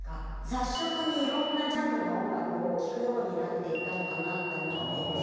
雑食にいろんなジャンルの音楽を聴くようになっていったのかなって思っていて。